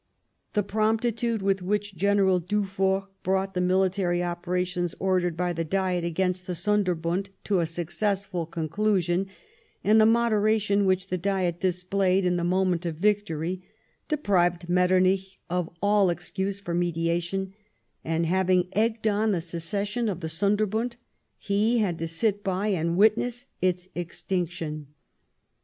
The promptitude with which General Dufour brought the military operations ordered by the Diet against the Sonderbund to a successful conclusion,* and the moderation which the Diet displayed in the moment of victory, deprived Metternich of all excuse for mediation ; and having egged on the secession of the Sonderbund, he had to sit by and witness its extinction.